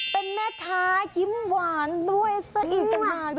เป็นแม่ค้ายิ้มหวานด้วยซะอีก